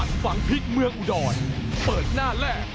สวัสดีครับ